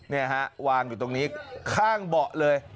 นี่ฮะวางอยู่ตรงนี้ข้างเบาะเลย